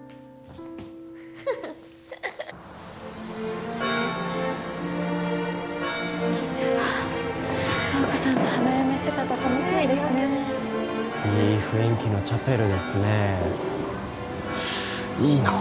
フフッ・緊張します瞳子さんの花嫁姿楽しみですねいい雰囲気のチャペルですねいいなあ